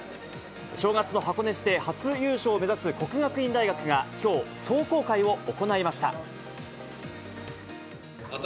正月の箱根路で初優勝を目指す國學院大学がきょう、壮行会を行いました。